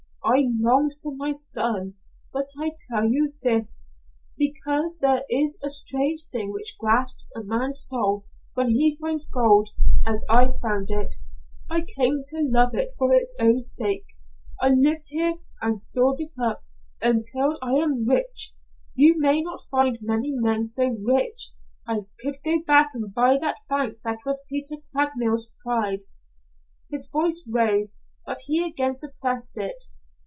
"I longed for my son, but I tell you this, because there is a strange thing which grasps a man's soul when he finds gold as I found it. I came to love it for its own sake. I lived here and stored it up until I am rich you may not find many men so rich. I could go back and buy that bank that was Peter Craigmile's pride " His voice rose, but he again suppressed it.